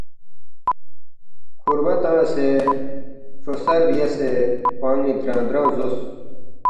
کُھوربا تنگسے کروسر بیاسے کھوان٘ی درانگ درانگ زوس